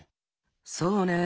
そうね。